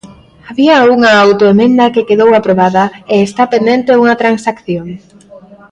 Había unha autoemenda que quedou aprobada, e está pendente unha transacción.